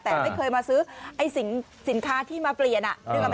แต่ไม่เคยมาซื้อไอ้สินค้าที่มาเปลี่ยน